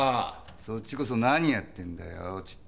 そっちこそ何やってんだよちっ